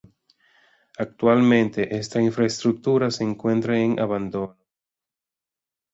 Actualmente esta infraestructura se encuentra en abandono.